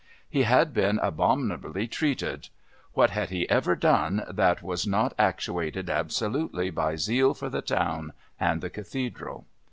He had been abominably treated. What had he ever done that was not actuated absolutely by zeal for the town and the Cathedral?